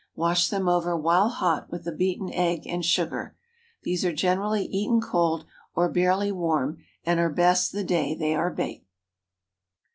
Wash them over while hot with the beaten egg and sugar. These are generally eaten cold, or barely warm, and are best the day they are baked.